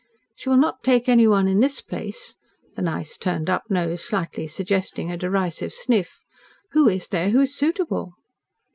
She will not take anyone in this place," the nice turned up nose slightly suggesting a derisive sniff. "Who is there who is suitable?"